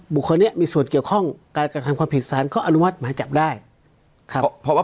บุคคลนี้มีส่วนเกี่ยวข้องการกระทำความผิดสารก็อนุมัติหมายจับได้ครับเพราะว่า